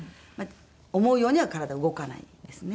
思うようには体動かないんですね。